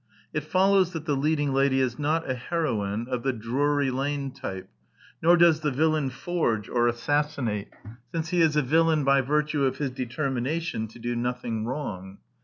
It follows that the leading lady is not a heroine of the Drury Lane type; nor does the villain forge or assassinate, since he is a villain by virtue of his determination to do nothing wrong.